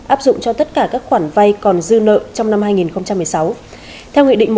áp dụng cho tất cả các khoản vay còn dư nợ trong năm hai nghìn một mươi sáu